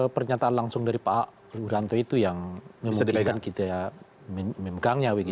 pernyataan langsung dari pak wiranto itu yang memungkinkan kita memegangnya